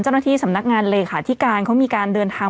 เจ้าหน้าที่สำนักงานเลขาธิการเขามีการเดินทาง